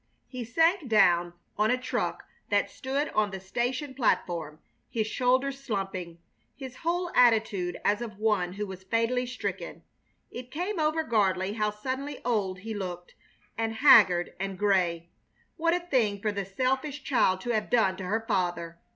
He sank down on a truck that stood on the station platform, his shoulders slumping, his whole attitude as of one who was fatally stricken. It came over Gardley how suddenly old he looked, and haggard and gray! What a thing for the selfish child to have done to her father!